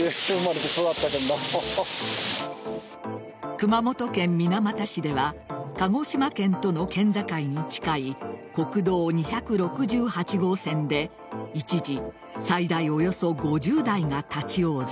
熊本県水俣市では鹿児島県との県境に近い国道２６８号線で一時最大およそ５０台が立ち往生。